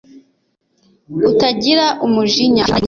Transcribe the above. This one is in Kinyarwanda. utagira umujinya hafi aba ari umunyabwenge